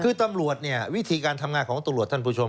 คือตำรวจเนี่ยวิธีการทำงานของตำรวจท่านผู้ชม